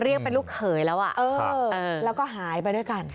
เรียกเป็นลูกเขยแล้วแล้วก็หายไปด้วยกัน